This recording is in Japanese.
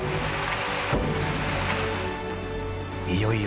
［いよいよ］